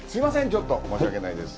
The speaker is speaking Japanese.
ちょっと申し訳ないです。